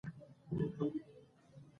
که خویندې درس ووایي نو فکر به یې تنګ نه وي.